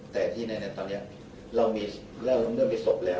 แต่ที่ไหนเนี่ยตอนเนี่ยเรามีเราก็เริ่มเรื่องมีศพแล้ว